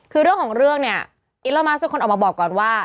คือเรื่องของเรื่องเนี่ยอินโลมัสเป็นคนออกมาบอกก่อนว่า